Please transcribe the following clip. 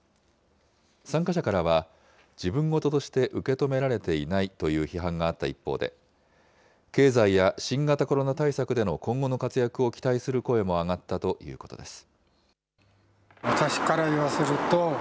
参加者からは、自分事として受け止められていないという批判があった一方で、経済や新型コロナ対策での今後の活躍を期待する声も上がったということです。